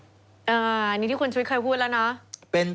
อันนี้ที่คุณชุวิตเคยพูดแล้วเนาะ